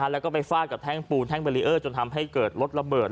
แล้วก็ไปฟาดกับแท่งปูนแท่งเบรีเออร์จนทำให้เกิดรถระเบิด